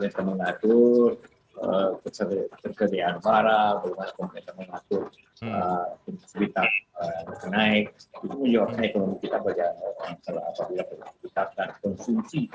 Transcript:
kita akan konsumsi